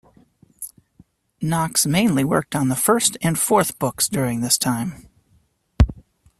Knox mainly worked on the first and fourth books during this time.